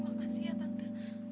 makasih ya tante